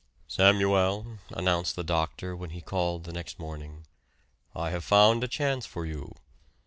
"Samuel," announced the doctor when he called the next morning, "I have found a chance for you."